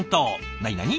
なになに？